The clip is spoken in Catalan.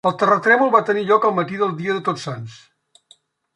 El terratrèmol va tenir lloc el matí del dia de Tots Sants.